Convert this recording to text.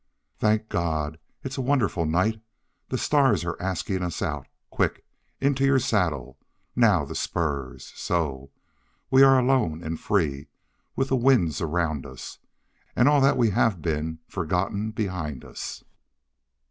"Thank God! It's a wonderful night. The stars are asking us out. Quick! Into your saddle. Now the spurs. So! We are alone and free, with the winds around us, and all that we have been forgotten behind us."